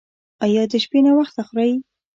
ایا د شپې ناوخته خورئ؟